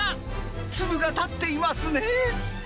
粒が立っていますね。